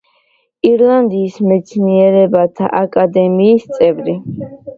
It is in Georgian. ირლანდიის მეცნიერებათა აკადემიის წევრი.